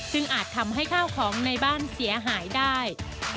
ซึ่งอาจทำให้ข้าวของในบ้านเสียหายได้